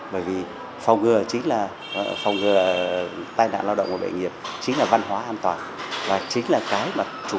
bởi vì phòng ngừa tai nạn lao động của bệnh nghiệp chính là văn hóa an toàn và chính là cái mà chủ